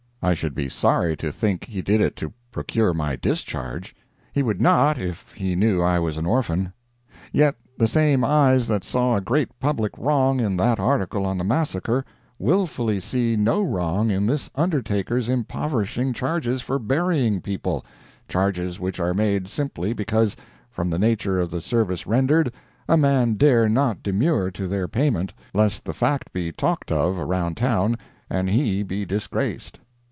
I should be sorry to think he did it to procure my discharge. He would not, if he knew I was an orphan. Yet the same eyes that saw a great public wrong in that article on the massacre, wilfully see no wrong in this undertaker's impoverishing charges for burying people—charges which are made simply because, from the nature of the service rendered, a man dare not demur to their payment, lest the fact be talked of around town and he be disgraced.